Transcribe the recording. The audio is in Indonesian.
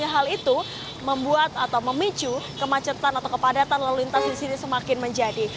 hal itu membuat atau memicu kemacetan atau kepadatan lalu lintas di sini semakin menjadi